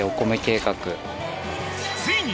［ついに］